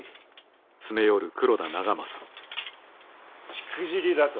しくじりだと？